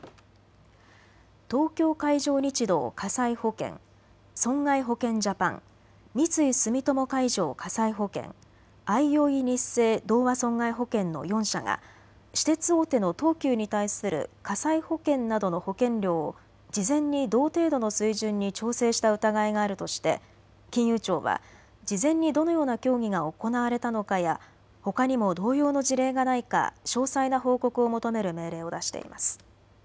東京海上日動火災保険、損害保険ジャパン、三井住友海上火災保険、あいおいニッセイ同和損害保険の４社が私鉄大手の東急に対する火災保険などの保険料を事前に同程度の水準に調整した疑いがあるとして金融庁は事前にどのような協議が行われたのかやほかにも同様の事例がないか詳細な報告を求める命令を出しています。